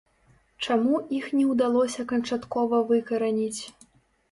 Чаму іх не ўдалося канчаткова выкараніць?